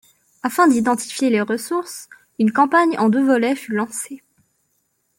Afin d'identifier les ressources, une campagne en deux volets fut lancée.